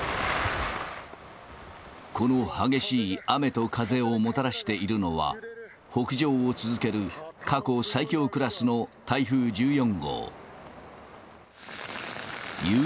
この激しい雨と風をもたらしているのは、北上を続ける過去最強クラスの台風１４号。